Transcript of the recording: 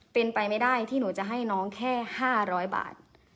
เป็นไปไม่ได้ที่หนูจะให้น้องแค่๕๐๐บาท